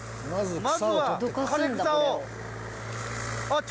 まずは枯れ草を。